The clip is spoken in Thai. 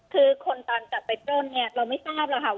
คือคนตามจับไปปล้นเนี่ยเราไม่ทราบหรือเปล่าค่ะ